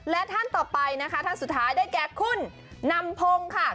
และท่านต่อไปนะคะท่านสุดท้ายได้แก่คุณนำพงศ์ค่ะ